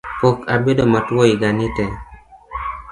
Pok abedo matuo yiga ni tee